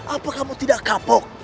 apa kamu tidak kapuk